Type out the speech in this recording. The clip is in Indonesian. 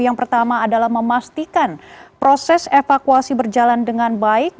yang pertama adalah memastikan proses evakuasi berjalan dengan baik